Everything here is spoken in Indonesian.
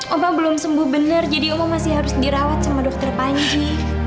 oba belum sembuh benar jadi oma masih harus dirawat sama dokter panji